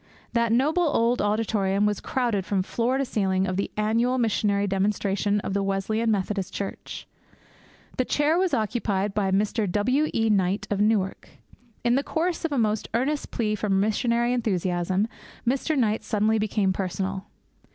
That noble old auditorium was crowded from floor to ceiling for the annual missionary demonstration of the Wesleyan Methodist Church. The chair was occupied by Mr. W. E. Knight, of Newark. In the course of a most earnest plea for missionary enthusiasm, Mr. Knight suddenly became personal.